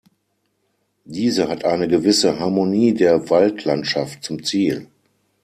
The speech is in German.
Diese hat eine gewisse Harmonie der Waldlandschaft zum Ziel.